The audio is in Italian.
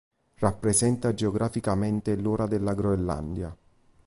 Rappresenta geograficamente l’ora della Groenlandia.